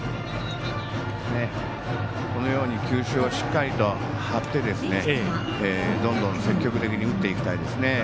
このように球種をしっかりと張ってどんどん積極的に打っていきたいですね。